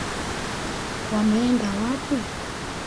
Wameenda wapi?